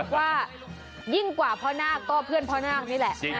ว่ายิ่งกว่าพ่อนาคก็เพื่อนพ่อนาคนี่แหละ